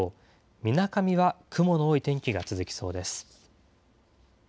みなかみは雲の多い天気が続きそうです。